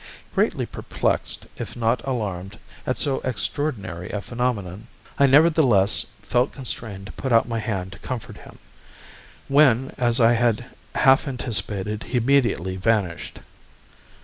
"Greatly perplexed, if not alarmed, at so extraordinary a phenomenon, I nevertheless felt constrained to put out my hand to comfort him when, as I had half anticipated, he immediately vanished.